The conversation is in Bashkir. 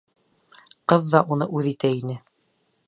Ҡыҙ ҙа уны үҙ итә ине.